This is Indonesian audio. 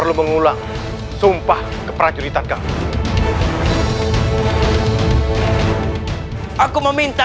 untuk selalu setia